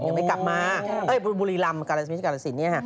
ยังไม่กลับมาบุรีลำกาลสิน